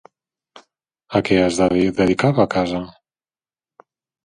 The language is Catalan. A què es dedicava a casa?